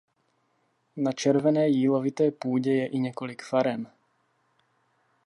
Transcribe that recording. Na červené jílovité půdě je i několik farem.